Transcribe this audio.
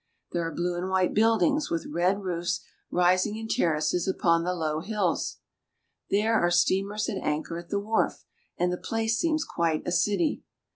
There are blue and white buildings with red roofs rising in terraces upon the low hills. There are steamers at anchor at the wharf, and the place seems quite a city.